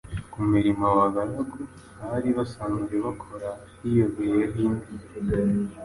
Ku mirimo abagaragu hari basanzwe bakora hiyogeyereho indi